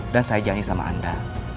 dan saya janji sama anda